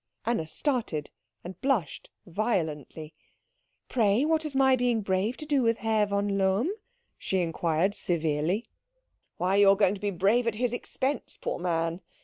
Anna started, and blushed violently. "Pray what has my being brave to do with Herr von Lohm?" she inquired severely. "Why, you are going to be brave at his expense, poor man.